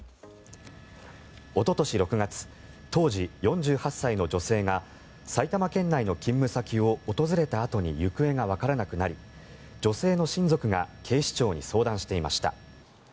おととし６月当時４８歳の女性が埼玉県内の勤務先を訪れたあとに行方がわからなくなり女性の親族が警視庁に相談していました。